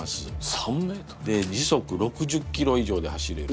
で時速６０キロ以上で走れる。